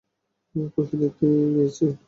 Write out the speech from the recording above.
খুশি তে কি গিয়েছি?